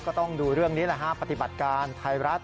ก็ต้องดูเรื่องนี้แหละฮะปฏิบัติการไทยรัฐ